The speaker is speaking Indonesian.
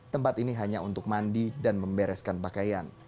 tempat ini hanya untuk mandi dan membereskan pakaian